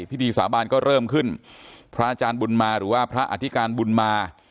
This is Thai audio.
พิธีสาบานก็เริ่มขึ้นพระอาจารย์บุญมาหรือว่าพระอธิการบุญมา